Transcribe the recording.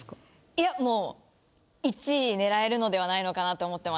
いやもう１位狙えるのではないのかなと思ってます。